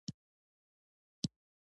مادر تریسیا وایي مینه خپرول ښه کار دی.